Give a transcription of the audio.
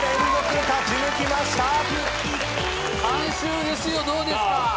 ３週ですよどうですか？